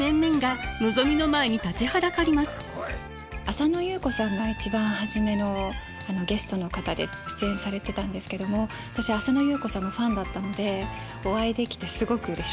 浅野ゆう子さんが一番初めのゲストの方で出演されてたんですけども私浅野ゆう子さんのファンだったのでお会いできてすごくうれしかったです。